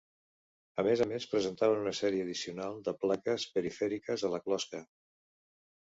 A més a més presentaven una sèrie addicional de plaques perifèriques a la closca.